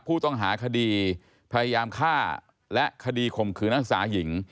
ผู้ต้องหาคดีพยายามฆ่าและคดีข่มขืนนักศึกษาหญิง